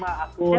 aku pun sama